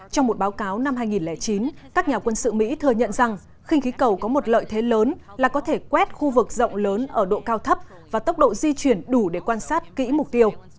trong một báo cáo năm hai nghìn chín các nhà quân sự mỹ thừa nhận rằng khinh khí cầu có một lợi thế lớn là có thể quét khu vực rộng lớn ở độ cao thấp và tốc độ di chuyển đủ để quan sát kỹ mục tiêu